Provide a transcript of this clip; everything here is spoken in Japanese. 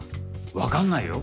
分かんないよ